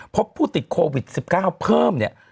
พบผู้ติดโควิด๑๙เพิ่มเนี่ย